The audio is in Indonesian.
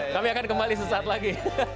kami akan kembali sesaat lagi